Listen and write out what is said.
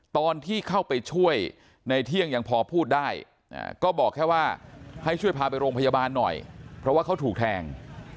ตอนที่เข้าไปช่วยในเที่ยงยังพอพูดได้ก็บอกแค่ว่าให้ช่วยพาไปโรงพยาบาลหน่อยเพราะว่าเขาถูกแทง